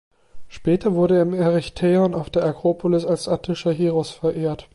Später wurde er im Erechtheion auf der Akropolis als attischer Heros verehrt.